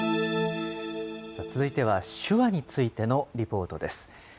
続いては手話についてのリポートです。